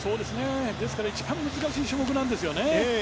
ですから一番難しい種目なんですよね。